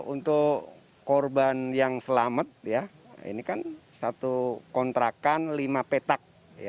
untuk korban yang selamat ya ini kan satu kontrakan lima petak